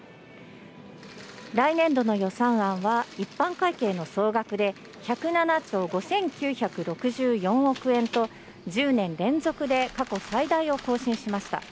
来年度の予算案は一般会計の総額で１０７兆５９６４億円と１０年連続で過去最大を更新しました。